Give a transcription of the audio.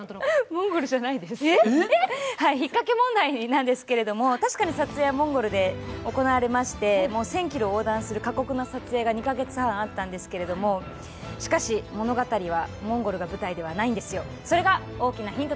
モンゴルじゃないです、引っかけ問題なんですけど、確かに撮影はモンゴルで行われまして、１０００ｋｍ横断する過酷な撮影が２か月半あったんですがしかし物語は、モンゴルが舞台ではないんですよ。